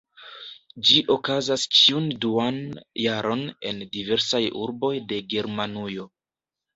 Ĝi okazas ĉiun duan jaron en diversaj urboj de Germanujo.